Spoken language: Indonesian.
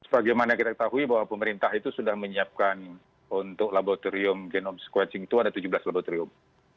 sebagaimana kita ketahui bahwa pemerintah itu sudah menyiapkan untuk laboratorium genome sequencing itu ada tujuh belas laboratorium